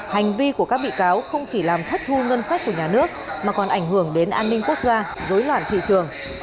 hành vi của các bị cáo không chỉ làm thất thu ngân sách của nhà nước mà còn ảnh hưởng đến an ninh quốc gia dối loạn thị trường